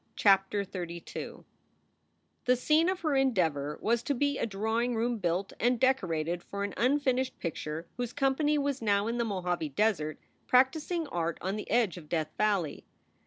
CHAPTER XXXII PHE scene of her endeavor was to be a drawing room 1 built and decorated for an unfinished picture whose company was now in the Mojave Desert practicing art on the edge of Death Valley.